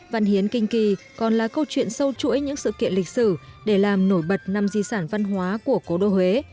văn hiến kinh kỳ còn là câu chuyện sâu chuỗi những sự kiện lịch sử để làm nổi bật năm di sản văn hóa của cố đô huế